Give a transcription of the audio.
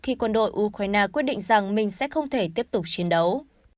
khi quân đội ukraine quyết định rằng mình sẽ không thể tiếp tục chiến đấu